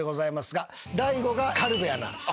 大悟が軽部アナ。